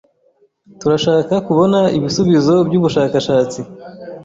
Turashaka kubona ibisubizo byubushakashatsi.